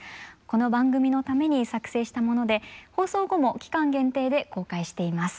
この番組のために作成したもので放送後も期間限定で公開しています。